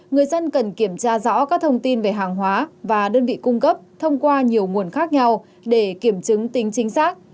người dân cần kiểm tra rõ các thông tin về hàng hóa và đơn vị cung cấp thông qua nhiều nguồn khác nhau để kiểm chứng tính chính xác